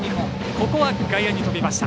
ここは外野に飛びました。